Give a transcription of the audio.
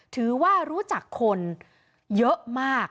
ถือว่ารู้จักคนเยอะมาก